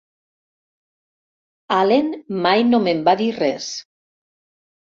Allen mai no me'n va dir res!